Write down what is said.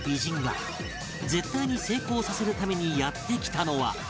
絶対に成功させるためにやって来たのは